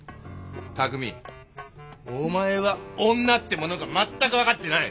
巧お前は女ってものがまったく分かってない。